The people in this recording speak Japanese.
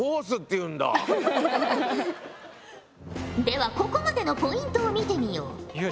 ではここまでのポイントを見てみよう。